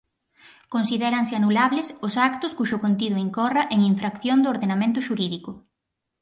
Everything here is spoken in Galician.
Considéranse anulables os actos cuxo contido incorra en infracción do ordenamento xurídico.